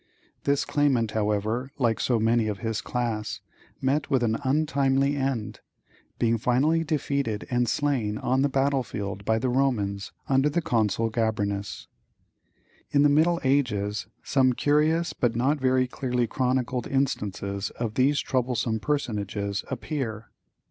This claimant, however, like so many of his class, met with an untimely end, being finally defeated and slain on the battlefield by the Romans, under the Consul Gabrinus. In the middle ages some curious but not very clearly chronicled instances of these troublesome personages appear.